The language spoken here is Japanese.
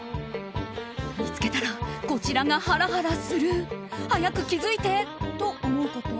見つけたらこちらがハラハラする早く気づいてと思うこと。